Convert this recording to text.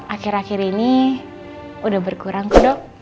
akhir akhir ini udah berkurang kudok